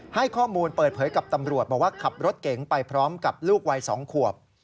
ให้ข้อมูลเปิดเผยกับตำรวจบอกว่าขับรถเก๋งไปพร้อมกับลูกวัย๒ขวบ